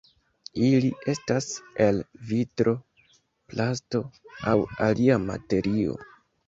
Ili estas el vitro, plasto, aŭ alia materio.